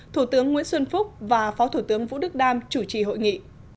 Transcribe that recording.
thủ tướng nguyễn xuân phúc và phó thủ tướng vũ đức đam chủ trì hội nghị